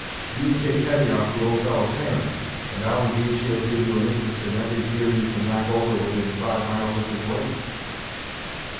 Do you take Hetty off the old fellow's hands, and I'll engage he'll give you an interest in every deer you can knock over within five miles of his lake."